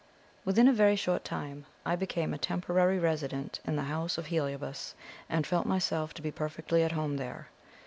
Within a very short time I became a temporary resident in the house of Heliobas, and felt myself to be perfectly at home there.